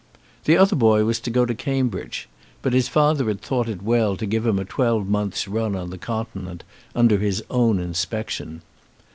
The other boy was to go to Cambridge; but his father had thought it well to give him a twelvemonth's run on the Continent, under his own inspection.